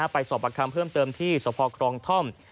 สอบประคำเพิ่มเติมที่สพครองท่อม